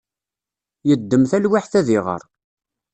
Yeddem talwiḥt ad iɣer.